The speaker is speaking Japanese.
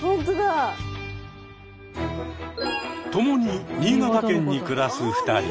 共に新潟県に暮らす２人。